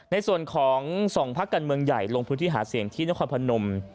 ในส่วนของ๒พักการเมืองใหญ่ลงพื้นที่หาเสียงที่นครพนม